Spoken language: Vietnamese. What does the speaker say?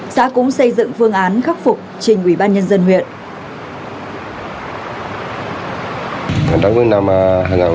xã cũng xây dựng phương án khắc phục trên ubnd huyện